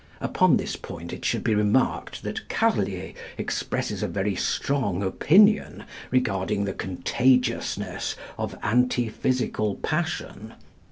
Upon this point it should be remarked that Carlier expresses a very strong opinion regarding the contagiousness of antiphysical passion.